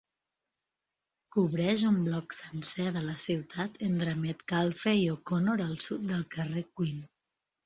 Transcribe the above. Cobreix un bloc sencer de la ciutat entre Metcalfe i O'Connor al sud del carrer Queen.